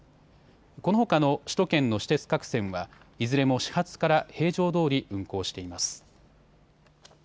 このほかの首都圏の私鉄各線はいずれも始発から平常どおり運行しています。